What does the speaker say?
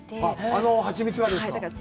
あのハチミツがですか。